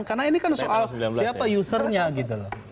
karena ini kan soal siapa usernya gitu loh